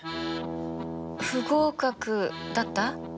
不合格だった？